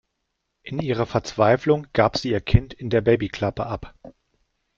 In ihrer Verzweiflung gab sie ihr Kind in der Babyklappe ab.